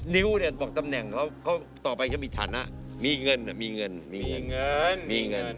ริ้วเนี่ยบอกตำแหน่งเขาต่อไปเขามีฐานะมีเงินมีเงินมีเงินมีเงิน